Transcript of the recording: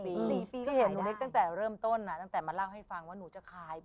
ก็เห็นหนูเล็กตั้งแต่เริ่มต้นตั้งแต่มาเล่าให้ฟังว่าหนูจะคลาย